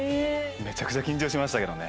めちゃくちゃ緊張しましたけどね